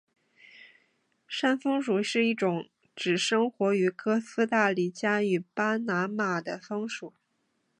山松鼠是一种只生活于哥斯大黎加与巴拿马的松鼠。